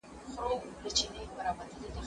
زه پرون سپينکۍ مينځلې!